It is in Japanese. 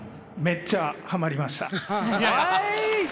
めっちゃハマりました？